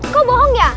kau bohong ya